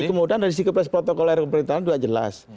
kemudian dari siklus protokol air pemerintahan juga jelas